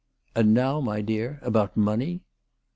" And now, my dear, about money